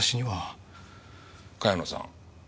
茅野さん。